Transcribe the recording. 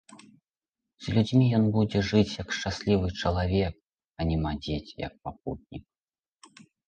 З людзьмі ён будзе жыць, як шчаслівы чалавек, а не мадзець, як пакутнік.